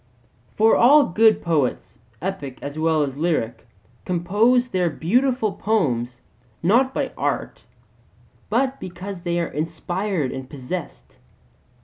For all good poets, epic as well as lyric, compose their beautiful poems not by art, but because they are inspired and possessed.